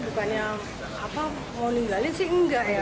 bukannya mau ninggalin sih enggak ya